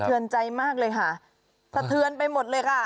ใจมากเลยค่ะสะเทือนไปหมดเลยค่ะ